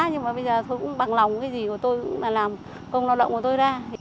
nhưng mà bây giờ tôi cũng bằng lòng cái gì của tôi cũng là làm công lao động của tôi ra